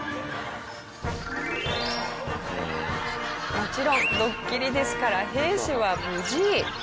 もちろんドッキリですから兵士は無事。